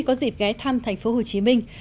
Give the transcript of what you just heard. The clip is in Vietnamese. có dịp ghé thăm thành phố hồ chí minh